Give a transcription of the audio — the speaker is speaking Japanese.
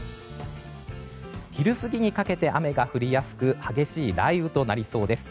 昼過ぎにかけて雨が降りやすく激しい雷雨となりそうです。